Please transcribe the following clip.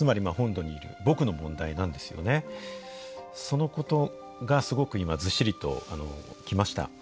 そのことがすごく今ずっしりときました。